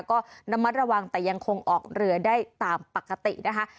ก็ระมัดระวังแต่ยังคงออกเรือได้ตามปกตินะคะ